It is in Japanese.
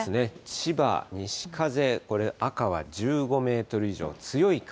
千葉、西風、これ、赤は１５メートル以上、強い風。